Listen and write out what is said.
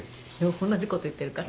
同じこと言ってるから。